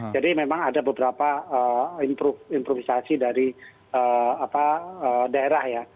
jadi memang ada beberapa improvisasi dari daerah ya